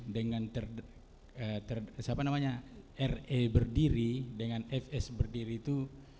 dengan re berdiri dengan fs berdiri itu